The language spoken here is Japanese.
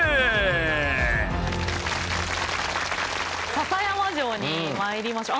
篠山城にまいりましょう。